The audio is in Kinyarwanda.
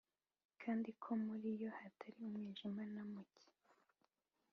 kandi ko muri yo hatari umwijima na muke.